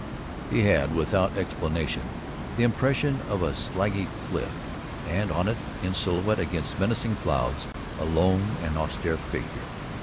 He had, without explanation, the impression of a slaggy cliff and on it, in silhouette against menacing clouds, a lone and austere figure.